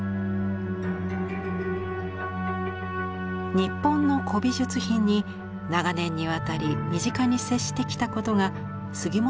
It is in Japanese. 日本の古美術品に長年にわたり身近に接してきたことが杉本